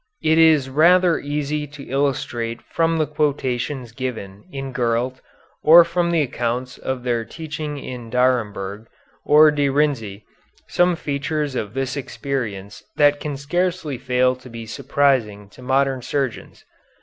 It is rather easy to illustrate from the quotations given in Gurlt or from the accounts of their teaching in Daremberg or De Renzi some features of this experience that can scarcely fail to be surprising to modern surgeons.